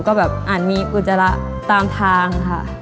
ก็แบบอาจมีอุจจาระตามทางค่ะ